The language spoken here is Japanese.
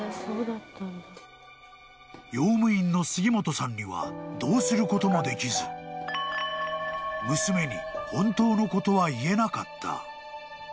［用務員の杉本さんにはどうすることもできず娘に本当のことは言えなかった］